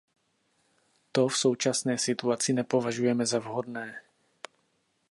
To v současné situaci nepovažujeme za vhodné.